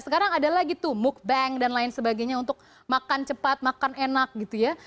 sekarang ada lagi tuh mook bank dan lain sebagainya untuk makan cepat makan enak gitu ya